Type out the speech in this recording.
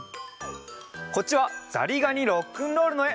こっちは「ざりがにロックンロール」のえ！